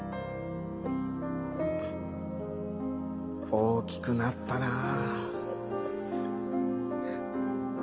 大きくなったなぁ。